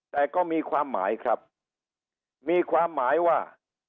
แต่ก็มีความหมายครับมีความหมายว่า